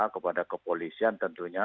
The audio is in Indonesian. kepada kepolisian tentunya